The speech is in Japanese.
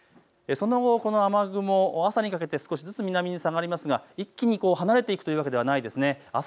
その後、この雨雲、朝にかけて少しずつ南に下がりますが一気に離れていくというわけではないです。